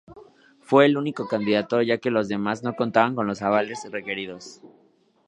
Fue el único candidato, ya que los demás no contaban con los avales requeridos.